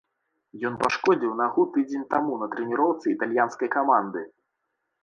Ён пашкодзіў нагу тыдзень таму на трэніроўцы італьянскай каманды.